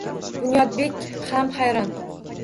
Bunyodbek ham hayron